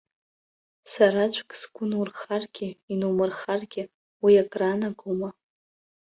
Сараӡәк сгәы нурхагьы инумырхагьы, уи акыр аанагома?!